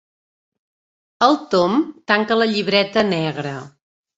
El Tom tanca la llibreta negra.